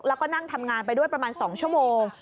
แล้วก็นั่งทำงานไปด้วยประมาณ๒ชั่วโมง